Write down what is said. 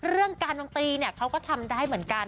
เรื่องการดนตรีเนี่ยเขาก็ทำได้เหมือนกัน